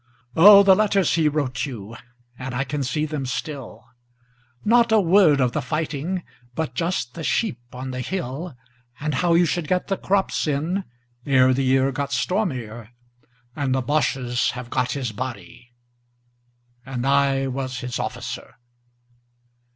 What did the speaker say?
Oh, the letters he wrote you, And I can see them still. Not a word of the fighting But just the sheep on the hill And how you should get the crops in Ere the year got stormier, 40 And the Bosches have got his body. And I was his officer.